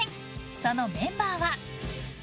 そのメンバーは？